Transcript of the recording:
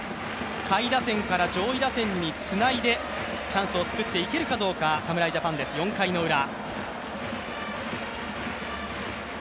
下位打線から上位打線につないで、チャンスを作っていけるかどうか、侍ジャパン、４回ウラ。